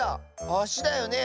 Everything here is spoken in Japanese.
あしだよね？